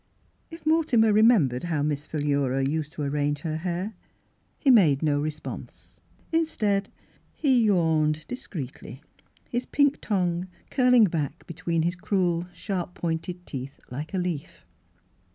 If Mortimer remembered how Miss Phi lura used to arrange her hair, he made no response. Instead he yawned discreetly, his pink tongue curling back between his Miss Philura's Wedding Gown cruel, sharp pointed teeth like a leaf.